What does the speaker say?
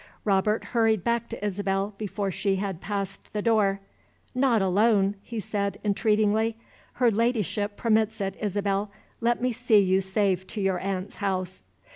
Robert hurried back to Isabel before she had passed the door. "Not alone!" he said entreatingly. "Her Ladyship permits it, Isabel. Let me see you safe to your aunt's house."